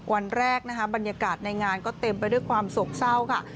วันแรกนะคะบรรยากาศในงานก็เต็มไปด้วยความโศกเศร้าค่ะ